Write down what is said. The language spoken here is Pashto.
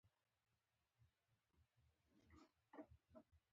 دې ترانې د هغه د پلار مخالفت پای ته ورساوه